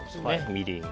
みりん。